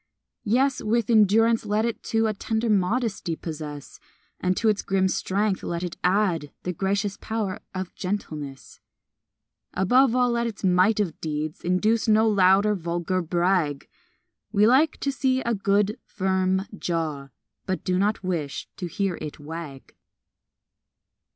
Yes, with endurance, let it too A tender modesty possess; And to its grim strength let it add The gracious power of gentleness. Above all, let its might of deeds Induce no loud or vulgar brag We like to see a good, firm jaw, But do not wish to hear it wag.